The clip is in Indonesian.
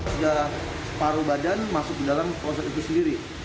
sudah paru badan masuk ke dalam kloset itu sendiri